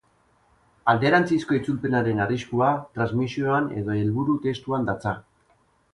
Alderantzizko itzulpenaren arriskua transmisioan edo helburu testuan datza.